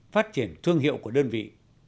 phát triển thương hiệu của đơn vị